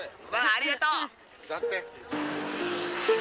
ありがとう！